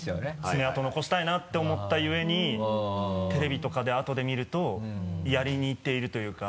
爪痕残したいなと思ったゆえにテレビとかであとで見るとやりにいっているというか。